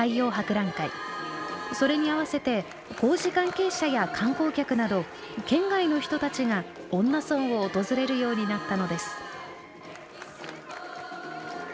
それに合わせて工事関係者や観光客など県外の人たちが恩納村を訪れるようになったのです。